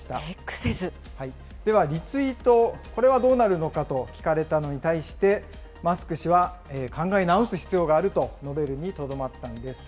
では、リツイート、これはどうなるのかと聞かれたのに対して、マスク氏は、考え直す必要があると述べるにとどまったんです。